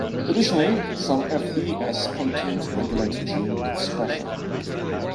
Additionally, some Fe-S proteins regulate gene expression.